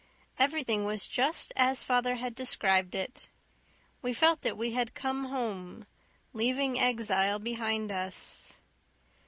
Everything was just as father had described it. We felt that we had come home, leaving exile behind us.